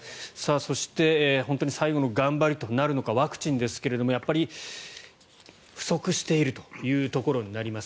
そして、最後の頑張りとなるのかワクチンですがやっぱり不足しているというところになります。